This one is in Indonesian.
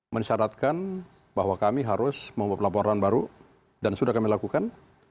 mensyaratkan bahwa kami harus membuat laporan baru dan sudah kami lakukan